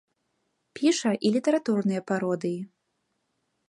Піша і літаратурныя пародыі.